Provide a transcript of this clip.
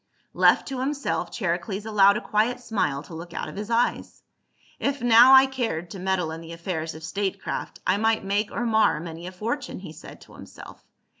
Left to himself, Charicles allowed a quiet smile to look out of his eyes. " If now I cared to meddle in the affairs of state craft I might make or mar many a fortune," he said to himself.